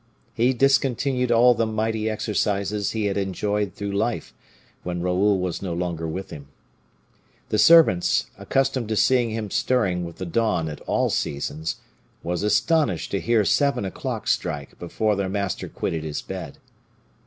He discontinued all the mighty exercises he had enjoyed through life, when Raoul was no longer with him. The servants, accustomed to see him stirring with the dawn at all seasons, were astonished to hear seven o'clock strike before their master quitted his bed.